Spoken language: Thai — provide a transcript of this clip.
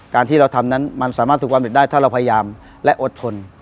ที่เราทำนั้นมันสามารถฝึกความเห็นได้ถ้าเราพยายามและอดทน